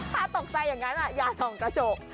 ถ้าตกใจอย่างนั้นอย่าส่องกระจก